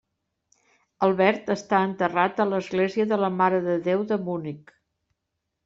Albert està enterrat a l'Església de la Mare de Déu de Munic.